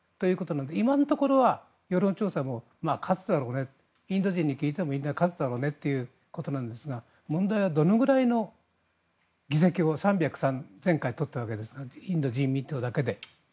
今のところは世論調査も勝つだろうねインド人に聞いてもみんな、勝つだろうねということなんですが問題はどのぐらいの議席を３０３、前回取ったわけですがインド人民党だけで。